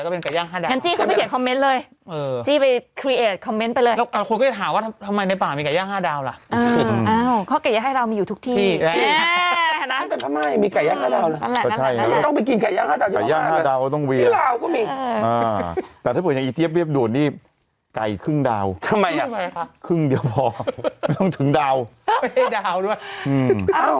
คือไก่ครึ่งดาวทำไมอ่ะครึ่งเดี๋ยวพอไม่ต้องถึงดาวไม่ได้ดาวด้วยอ้าว